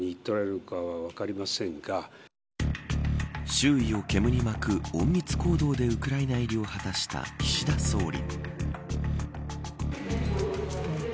周囲をけむに巻く隠密行動でウクライナ入りを果たした岸田総理。